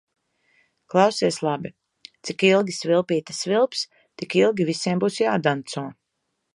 Klausies labi: cik ilgi svilpīte svilps, tik ilgi visiem būs jādanco.